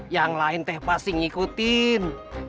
yang lain teh pasti ngikutin